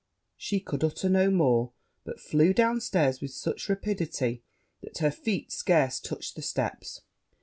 She could utter no more; but flew down stairs with such rapidity that her feet scarce touched the steps.